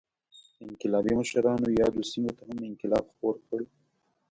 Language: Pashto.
انقلابي مشرانو یادو سیمو ته هم انقلاب خپور کړ.